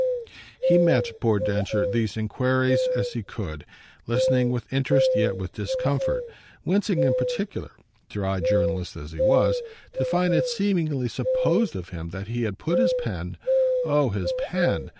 He met, poor Densher, these enquiries as he could, listening with interest, yet with discomfort; wincing in particular, dry journalist as he was, to find it seemingly supposed of him that he had put his pen oh his "pen!"